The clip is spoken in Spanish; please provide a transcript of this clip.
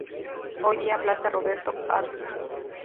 Hoy día Plaza Roberto Arlt.